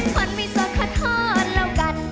คนไม่สดขอโทษแล้วกัน